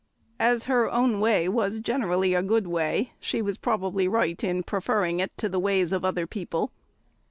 As her own way was generally a good way, she was probably right in preferring it to the ways of other people.